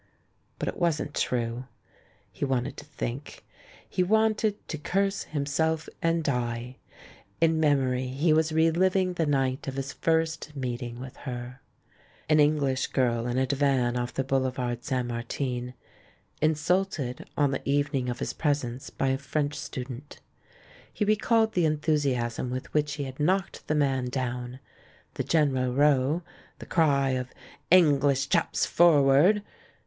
But it wasn't true — he wanted to think; he wanted to curse himself and die. In me riory he was re living the night of his first meeting with her; an English girl in a divan off the boulevard St. Martin — insulted, on the evening of his pres ence, by a French student. He recalled the en thusiasm with which he had knocked the man down; the general row — the cry of "English chaps forward!"